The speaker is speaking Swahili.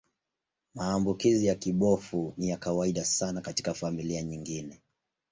Maambukizi ya kibofu ni ya kawaida sana katika familia nyingine.